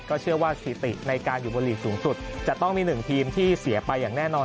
เชื่อว่าสถิติในการอยู่บนหลีกสูงสุดจะต้องมีหนึ่งทีมที่เสียไปอย่างแน่นอน